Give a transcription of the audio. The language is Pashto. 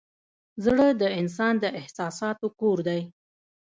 زړه د انسان د احساساتو کور دی.